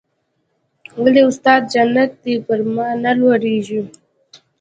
ولې استاده جنت دې پر ما نه لورېږي.